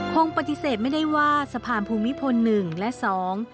คงปฏิเสธไม่ได้ว่าสะพานภูมิพลหนึ่งและสอง